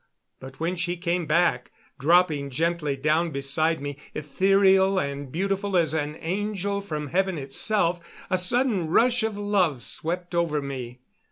But when she came back, dropping gently down beside me, ethereal and beautiful as an angel from heaven itself, a sudden rush of love swept over me.